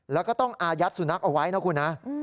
แล้วก็ต้องอายัดสุนัขเอาไว้นะคุณนะ